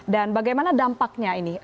dan bagaimana dampaknya ini